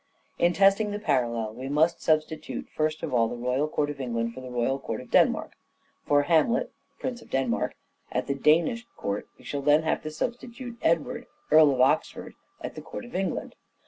In testing the parallel we must substitute first of Life at all the royal court of England for the royal court of court Denmark. For Hamlet, Prince of Denmark, at the Danish court we shall then have to substitute Edward, Earl of Oxford, at the court of England.